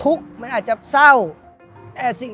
รู้สึกว่าถึงไม่มีเสียง